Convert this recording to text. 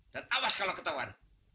dan awas kalau ketahuan